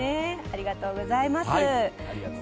ありがとうございます。